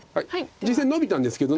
実戦ノビたんですけど。